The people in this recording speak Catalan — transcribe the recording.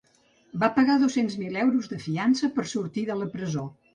Va pagar dos-cents mil euros de fiança per sortir de la presó.